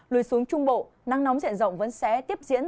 lùi xuống trung bộ nắng nóng diện rộng vẫn sẽ tiếp diễn